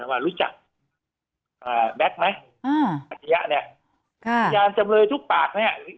ว่ารู้จักอ่าแบ็กซ์ไหมอืมอันเนี้ยค่ะพยานจำเลยทุกปากเนี้ย